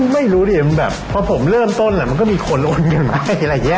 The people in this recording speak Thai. ไม่รู้ดิแบบพอผมเริ่มต้นมันก็มีคนโอนเงินให้อะไรอย่างนี้